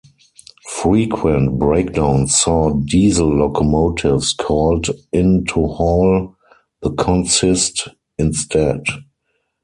Frequent breakdowns saw diesel locomotives called in to haul the consist instead.